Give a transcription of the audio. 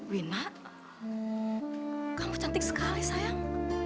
wina kamu cantik sekali sayang